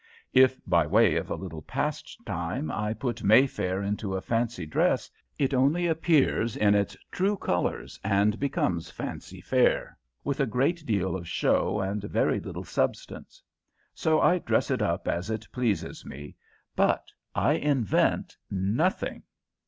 If, by way of a little pastime, I put Mayfair into a fancy dress, it only appears in its true colours and becomes fancy fair, with a great deal of show and very little substance; so I dress it up as it pleases me, but I invent nothing.